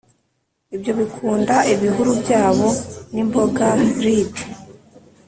ibyo bikunda ibihuru byayo nimboga, lydd.